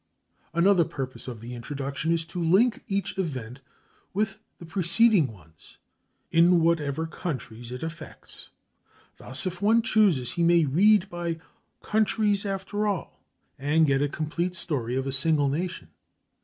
Another purpose of the introduction is to link each event with the preceding ones in whatever countries it affects. Thus if one chooses he may read by countries after all, and get a completed story of a single nation.